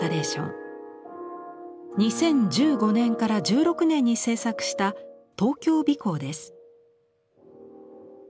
２０１５年から１６年に制作した「東京尾行」です。